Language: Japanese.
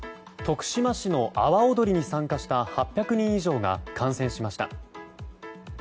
徳島市の阿波おどりに参加した８００人以上が感染しました。